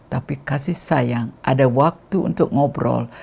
tapi kasih sayang ada waktu untuk ngobrol